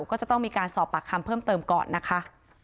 ก็จะต้องมีการสอบปากคำเพิ่มเติมก่อนนะคะ